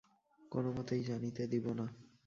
কোনোমতেই জানিতে দিব না।